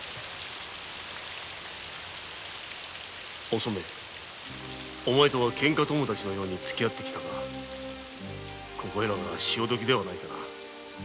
「お染お前とはケンカ友だちのようにつき合ってきたがここいらが潮時ではないかな。